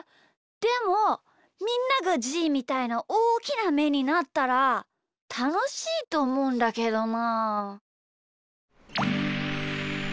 でもみんながじーみたいなおおきなめになったらたのしいとおもうんだけどな。